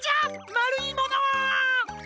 まるいものっ！